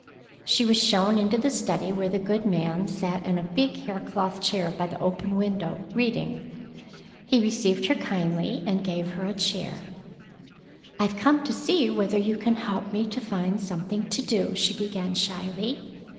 She was shown into the study, where the good man sat in a big hair cloth chair by the open window, reading. He received her kindly and gave her a chair. "I've come to gee whether you can help me to find something to do," she began shyly.